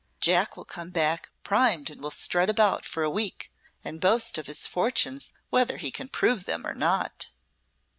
Jack will come back primed and will strut about for a week and boast of his fortunes whether he can prove them or not."